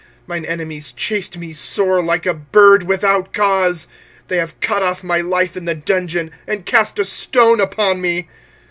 25:003:052 Mine enemies chased me sore, like a bird, without cause. 25:003:053 They have cut off my life in the dungeon, and cast a stone upon me.